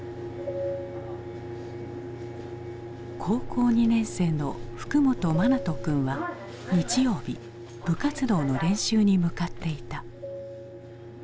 高校２年生の福本真士君は日曜日部活動の練習に向かっていた。